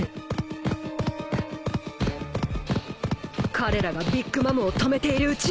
彼らがビッグ・マムを止めているうちに